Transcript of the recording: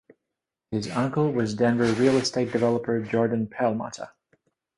His uncle was Denver real estate developer, Jordon Perlmutter.